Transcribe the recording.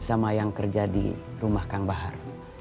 sama yang kerja di rumah kang bahar